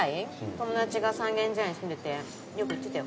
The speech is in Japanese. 友達が三軒茶屋に住んでてよく行ってたよ。